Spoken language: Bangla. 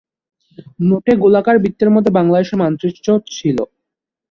নোটে গোলাকার বৃত্তের মধ্যে বাংলাদেশের মানচিত্র ছিল।